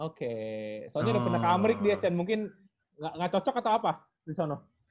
oke soalnya udah pernah ke amerika mungkin gak cocok atau apa di sono